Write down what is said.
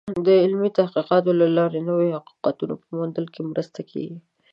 د علمي تحقیقاتو له لارې د نوو حقیقتونو په موندلو کې مرسته کېږي.